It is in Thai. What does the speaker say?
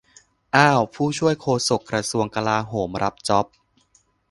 อ้าว ผู้ช่วยโฆษกกระทรวงกลาโหม รับจ๊อบ